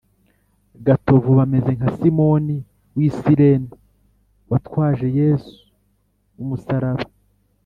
gatovu bameze nka simoni w’i sirene watwaje yezu umusalaba